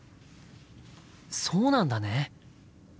そうなんだね。